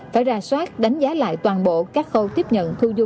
phải ra soát đánh giá lại toàn bộ các khâu tiếp tục